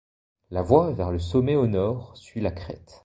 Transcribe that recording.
La voie vers le sommet au nord suit la crête.